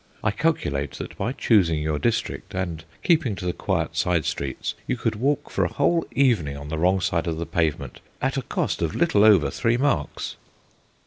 I calculate that by choosing your district and keeping to the quiet side streets you could walk for a whole evening on the wrong side of the pavement at a cost of little over three marks.